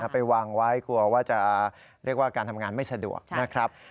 ไปวางไว้กลัวว่าจะเรียกว่าการทำงานไม่สะดวกนะครับ